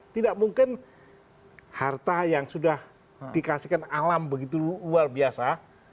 tidak mungkin harta yang sudah dikasihkan alam begitu luar biasa